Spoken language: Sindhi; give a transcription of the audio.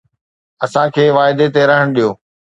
اسان کي وعدي تي رهڻ ڏيو